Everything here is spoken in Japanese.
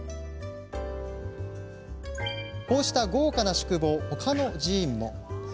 こうした豪華な宿坊は他の寺院も。